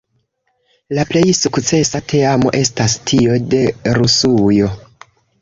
La plej sukcesa teamo estas tio de Rusujo.